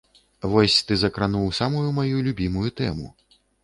Вось ты закрануў самую маю любімую тэму.